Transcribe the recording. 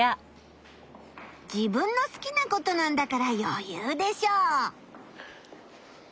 自分の好きなことなんだからよゆうでしょう。